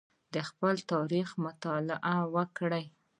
د خپل تاریخ مطالعه وکړئ.